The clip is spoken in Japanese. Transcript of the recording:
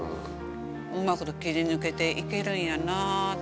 うまいこと切り抜けていけるんやなと。